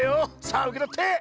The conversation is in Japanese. さあうけとって！